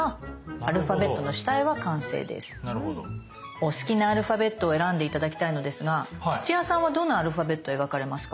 お好きなアルファベットを選んで頂きたいのですが土屋さんはどのアルファベット描かれますか？